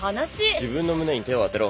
自分の胸に手を当てろ。